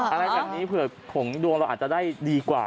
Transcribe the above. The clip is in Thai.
อะไรแบบนี้เผื่อผงดวงเราอาจจะได้ดีกว่า